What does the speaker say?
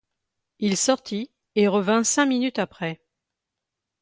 Il sortit, et revint cinq minutes après.